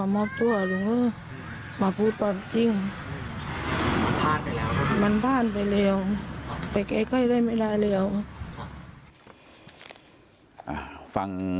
มันผ่านไปแล้ว